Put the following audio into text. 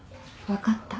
・分かった